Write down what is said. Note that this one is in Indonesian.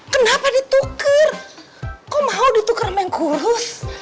kenapa ditukar kok mau ditukar sama yang kurus